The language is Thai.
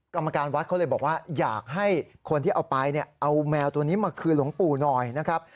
กรรมการวัดเขาอยากให้คนที่เอาไปเอามัวตัวนี้มาคืนหลวงปู่หน่อยนะครับ